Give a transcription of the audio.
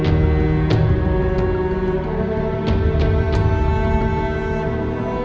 ที่สุดท้ายที่สุดท้าย